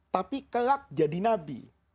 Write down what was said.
tapi kelak jadi nabi